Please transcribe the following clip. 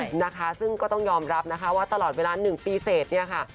นะคะซึ่งก็ต้องยอมรับนะคะว่าตลอดเวลา๑ปีเสร็จเนี่ยค่ะ